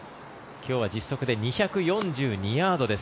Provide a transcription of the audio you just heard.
今日は実測で２４２ヤードです。